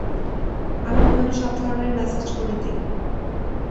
আমি ওখানে সব ধরনের ম্যাসাজ করে দিই।